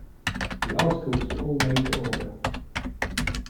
The articles were all made to order.